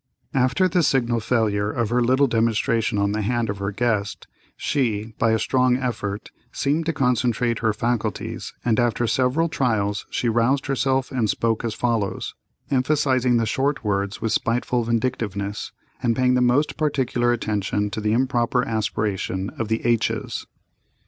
After the signal failure of her little demonstration on the hand of her guest, she, by a strong effort, seemed to concentrate her faculties, and after several trials she roused herself and spoke as follows, emphasizing the short words with spiteful vindictiveness, and paying the most particular attention to the improper aspiration of the h's.